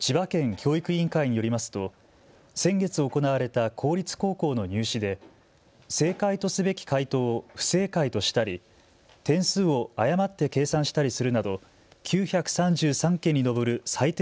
教育委員会によりますと先月、行われた公立高校の入試で正解とすべき解答を不正解としたり点数を誤って計算したりするなど９３３件に上る採点